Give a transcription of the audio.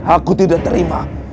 aku tidak terima